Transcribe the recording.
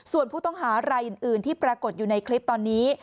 ส่วนผู้ต้องหารายอื่นที่ปรากฏอยู่ในคลิปตอนนี้